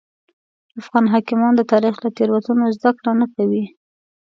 افغان حاکمان د تاریخ له تېروتنو زده کړه نه کوي.